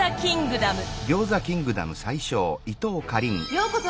ようこそ！